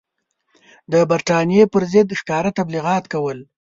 د برټانیې پر ضد ښکاره تبلیغات کول.